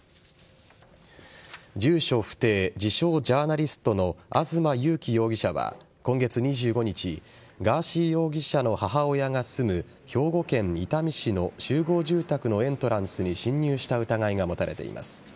住所不定自称ジャーナリストの東優樹容疑者は今月２５日ガーシー容疑者の母親が住む兵庫県伊丹市の集合住宅のエントランスに侵入した疑いが持たれています。